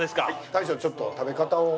大将ちょっと食べ方を。